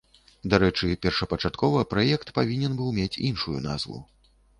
Дарэчы першапачаткова праект павінен быў мець іншую назву.